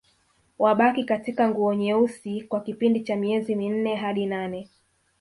Wabaki katika nguo nyeusi kwa kipindi cha miezi minne hadi nane